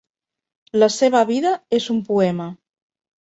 La seva vida és un poema.